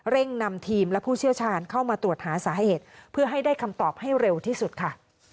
นำทีมและผู้เชี่ยวชาญเข้ามาตรวจหาสาเหตุเพื่อให้ได้คำตอบให้เร็วที่สุดค่ะ